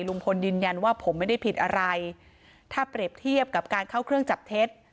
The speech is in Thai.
ลุงพลยืนยันว่าผมไม่ได้ผิดอะไรถ้าเปรียบเทียบกับการเข้าเครื่องจับเท็จ